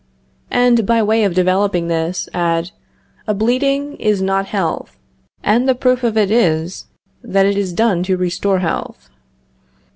And, by way of developing this, add: A bleeding is not health, and the proof of it is, that it is done to restore health.